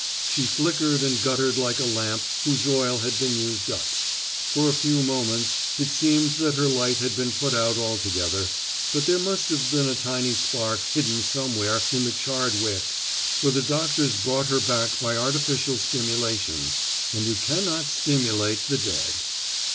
She flickered and guttered like a lamp whose oil has been used up. For a few moments it seemed that her light had been put out altogether, but there must have been a tiny spark hidden somewhere in the charred wick, for the doctors brought her back by artificial stimulation, and you can not stimulate the dead.